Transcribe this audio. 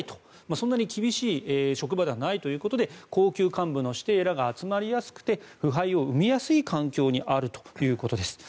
そんなに厳しい職場ではないということで高級幹部の子弟らが集まりやすくて腐敗を生みやすい環境にあるということです。